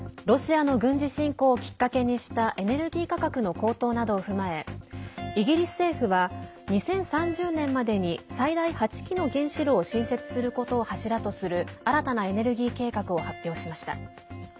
ロシアの軍事侵攻をきっかけにしたエネルギー価格の高騰などを踏まえイギリス政府は２０３０年までに最大８基の原子炉を新設することを柱とする新たなエネルギー計画を発表しました。